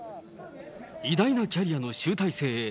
偉大なキャリアの集大成。